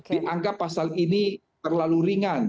dianggap pasal ini terlalu ringan